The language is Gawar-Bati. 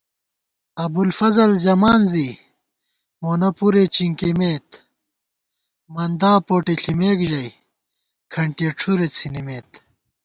ابُوالفضل ژمان زی، مونہ پُرے چِنکِمېت * مندا پوٹےݪِمېکژَئی کھنٹِیَہ ڄُھرےڅِھنِمېت